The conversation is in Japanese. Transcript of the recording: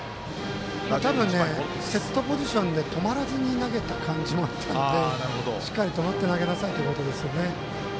セットポジションで止まらずに投げた感じがあったのでしっかり止まって投げなさいということですね。